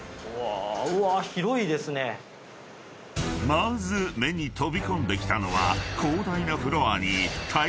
［まず目に飛び込んできたのは］